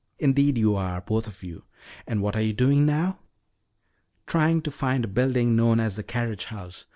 "Indeed you are both of you. And what are you doing now?" "Trying to find a building known as the carriage house.